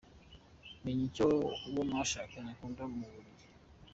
Menya icyo uwo mwashakanye akunda mu buriri.